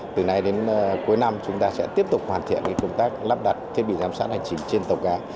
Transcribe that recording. từ nay đến cuối năm chúng ta sẽ tiếp tục hoàn thiện công tác lắp đặt thiết bị giám sát hành trình trên tàu cá